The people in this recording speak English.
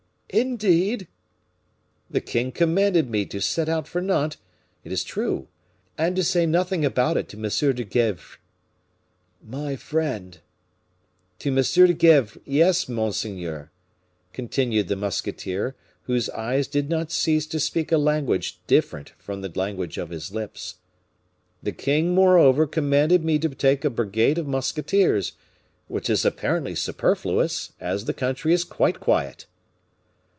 "Indeed!" "The king commanded me to set out for Nantes, it is true; and to say nothing about it to M. de Gesvres." "My friend." "To M. de Gesvres, yes, monseigneur," continued the musketeer, whose eye s did not cease to speak a language different from the language of his lips. "The king, moreover, commanded me to take a brigade of musketeers, which is apparently superfluous, as the country is quite quiet."